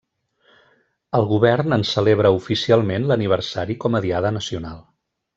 El govern en celebra oficialment l'aniversari com a diada nacional.